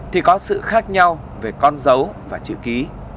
thì có sự khác nhau về con dấu và chữ ký